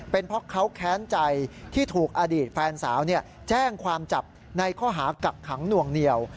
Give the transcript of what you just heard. เป็นเพราะเขาแค้นใจที่ถูกอดีตแฟนสาวแจ้งความจับในข้อหากักขังหน่วงเหนียว